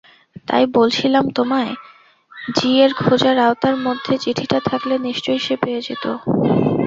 তাই বলছিলাম তোমায়, জি-এর খোঁজার আওতার মধ্যে চিঠিটা থাকলে নিশ্চয়ই সে পেয়ে যেত।